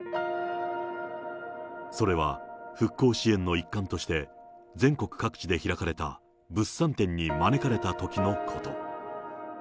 それは復興支援の一環として、全国各地で開かれた物産展に招かれたときのこと。